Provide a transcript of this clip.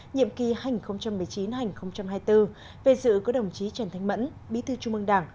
nhiệm kỳ hai nghìn một mươi chín hai nghìn hai mươi bốn về dự có đồng chí trần thanh mẫn bí thư trung mương đảng